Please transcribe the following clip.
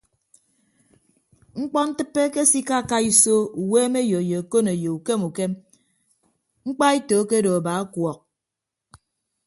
Mkpọntịppe akesikaaka iso uweemeyo ye okoneyo ukem ukem mkpaeto akedo aba ọkuọọk.